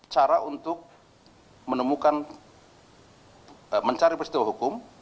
saya ingin mencari persetujuan hukum